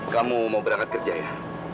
kamu mau berangkat kerja ya